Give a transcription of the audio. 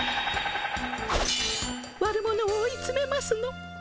悪者を追いつめますの。